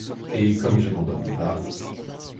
Et comme je n’en donne pas…